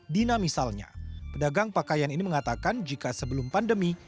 dina misalnya pedagang pakaian ini mengatakan jika sebelum pandemi